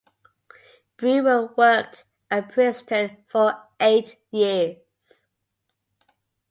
Brewer worked at Princeton for eight years.